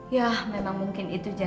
ya memang mungkin itu